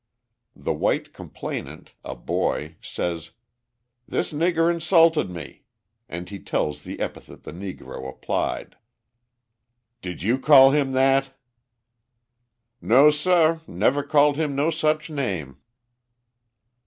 The white complainant a boy says: "This nigger insulted me!" and he tells the epithet the Negro applied. "Did you call him that?" "No sah, I never called him no such name."